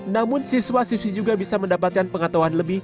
namun siswa siswi juga bisa mendapatkan pengatauan lebih